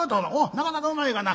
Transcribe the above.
『なかなかうまいがな』。